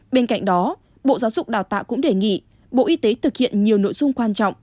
bên cạnh đó bộ giáo dục đào tạo cũng đề nghị bộ y tế thực hiện nhiều nội dung quan trọng